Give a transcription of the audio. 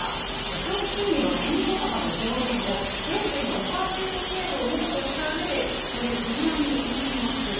長期金利の変動幅の上限を０．５％程度をメドとしたうえでより柔軟に運用する。